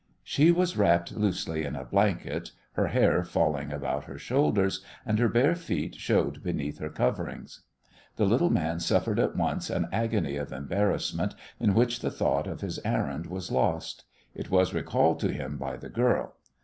She was wrapped loosely in a blanket, her hair falling about her shoulders, and her bare feet showed beneath her coverings. The little man suffered at once an agony of embarrassment in which the thought of his errand was lost. It was recalled to him by the girl.